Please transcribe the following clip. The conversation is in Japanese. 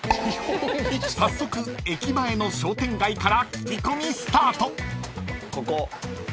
［早速駅前の商店街から聞き込みスタート］